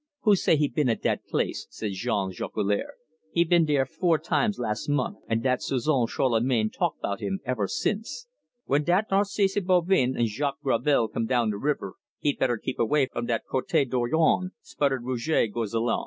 "Who say he been at dat place?" said Jean Jolicoeur. "He bin dere four times las' month, and dat Suzon Charlemagne talk'bout him ever since. When dat Narcisse Bovin and Jacques Gravel come down de river, he better keep away from dat Cote Dorion," sputtered Rouge Gosselin.